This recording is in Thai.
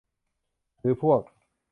หรือพวก